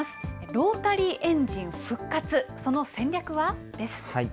ロータリーエンジン復活その戦略は？です。